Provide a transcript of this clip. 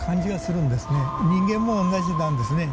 人間も同じなんですね。